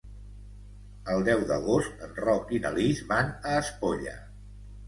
El deu d'agost en Roc i na Lis van a Espolla.